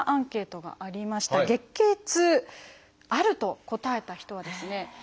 月経痛「ある」と答えた人はですね